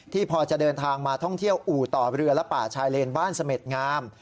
พอจะเดินทางมาท่องเที่ยวอู่ต่อเรือและป่าชายเลนบ้านเสม็ดงาม